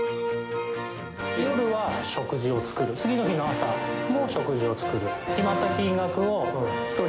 夜は食事を作る次の日の朝も食事を作る。